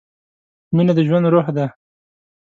مینه د ژوند روح ده.